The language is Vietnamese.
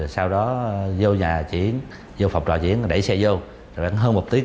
sau đó vô nhà chị yến vô phòng trò chị yến